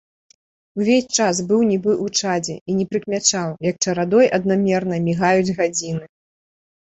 Увесь час быў нібы ў чадзе і не прыкмячаў, як чарадой аднамернай мігаюць гадзіны.